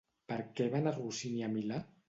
Per què va anar Rossini a Milà?